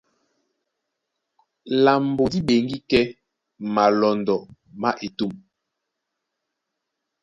Lambo dí ɓeŋgí kɛ́ malɔndɔ má etûm.